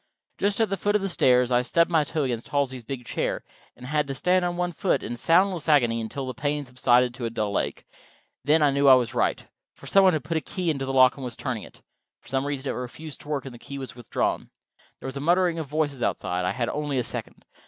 Just at the foot of the stairs I stubbed my toe against Halsey's big chair, and had to stand on one foot in a soundless agony until the pain subsided to a dull ache. And then—I knew I was right. Some one had put a key into the lock, and was turning it. For some reason it refused to work, and the key was withdrawn. There was a muttering of voices outside: I had only a second.